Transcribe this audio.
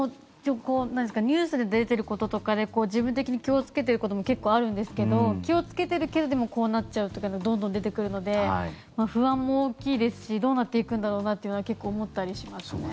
ニュースで出ていることとかで自分的に気をつけていることも結構あるんですけど気をつけているけどでも、こうなっちゃうというのがどんどん出てくるので不安も大きいですしどうなっていくんだろうなというのが結構思ったりしますね。